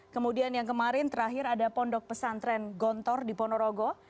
kemudian yang kemarin terakhir ada pondok pesantren gontor di ponorogo